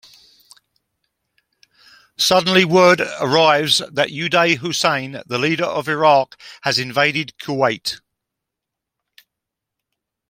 Suddenly, word arrives that Uday Hussein, the leader of Iraq, has invaded Kuwait.